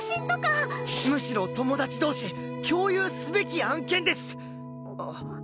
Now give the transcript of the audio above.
むしろ友達同士共有すべき案件です！